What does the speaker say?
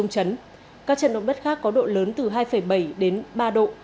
các trận động đất khác có độ lớn từ hai bảy đến ba độ